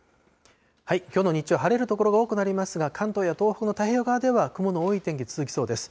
きょうの日中、晴れる所が多くなりますが、関東や東北の太平洋側では雲の多い天気、続きそうです。